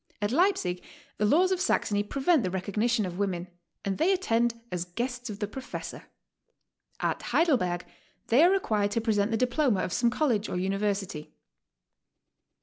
At Leipsic the laws of Saxony pre\^ent the recognition of women, and they attend as guests of the professor. At Heiidelberg they are required to present the diploma of some college or uni versity.